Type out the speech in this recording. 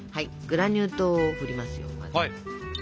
グラニュー糖をふりますよ。